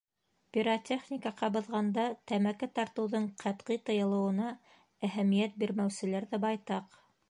Пиротехника ҡабыҙғанда тәмәке тартыуҙың ҡәтғи тыйылыуына әһәмиәт бирмәүселәр ҙә байтаҡ.